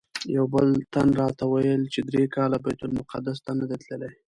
یو بل تن راته ویل چې درې کاله بیت المقدس ته نه دی تللی.